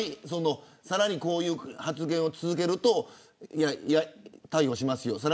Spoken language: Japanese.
さらに、こういう発言を続けると逮捕しますよ。